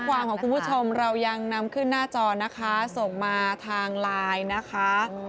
ความของคุณผู้ชมเรายังนำขึ้นหน้าจอนะคะส่งมาทางไลน์นะคะ